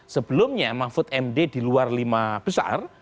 sebelumnya mahfud md di luar lima besar